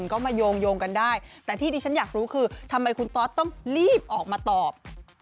ก็มาโยงกันได้แต่ที่ดิฉันอยากรู้คือทำไมคุณตอสต้องรีบออกมาตอบ